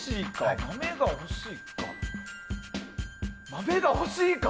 豆が欲しいか。